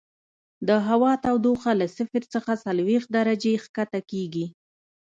د هوا تودوخه له صفر څخه څلوېښت درجې ښکته کیږي